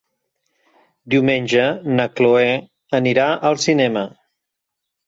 Diumenge na Cloè anirà al cinema.